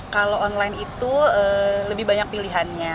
kalau online itu lebih banyak pilihannya